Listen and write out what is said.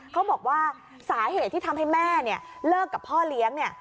เขาบอกว่าสาเหตุที่ทำให้แม่เลิกกับพ่อเลี้ยง